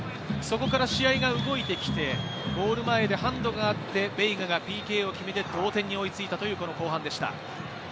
そこから試合が動いてきて、ゴール前でハンドがあって、ベイガがＰＫを決めて同点に追いついたという後半でした。